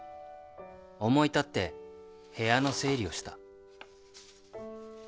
思い立って部屋の整理をした